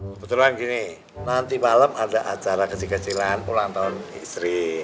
kebetulan gini nanti malam ada acara kecil kecilan ulang tahun istri